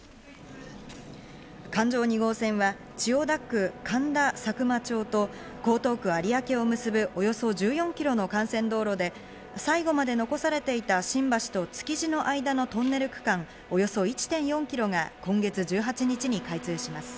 環状２号線は千代田区神田佐久間町と江東区有明を結ぶ、およそ１４キロの幹線道路で最後まで残されていた新橋と築地の間のトンネル区間、およそ１．４キロが今月１８日に開通します。